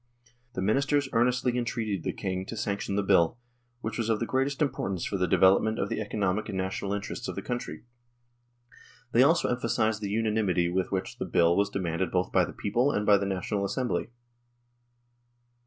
The Ministers earnestly entreated the King to sanction the Bill, which was of the greatest importance for the develop ment of the economic and national interests of the 1 See p. 93. THE DISSOLUTION OF THE UNION 99 country. They also emphasised the unanimity with which this Bill was demanded both by the people and by the National Assembly.